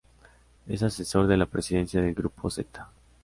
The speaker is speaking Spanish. Es asesor de la presidencia del Grupo Zeta.